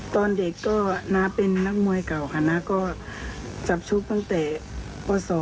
ตอนเด็กก็น้าเป็นนักมวยเก่าค่ะน้าก็จับชุบตั้งแต่ป๒